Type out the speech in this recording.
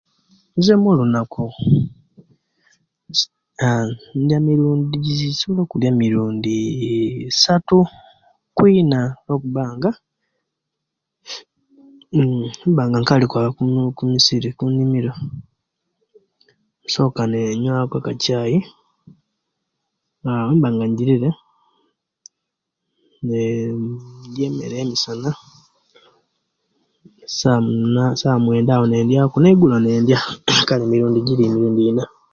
Nze omulanaku, ss aa ndya mirundiii nsobola okulyaa emirundi isatu, nokwiina lwokubanga nn mbanga nga nkaali okwaaba kumusiri, kundimiro, nywaaku akacayii, aa owemba nga njirire, nee ndya emere ya musana, sawa muna sawa mwenda wo nindyaku, neigulo nindya; kale jiri emirundi iina